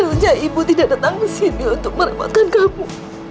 sebenarnya ibu tidak datang kesini untuk merepotkan kamu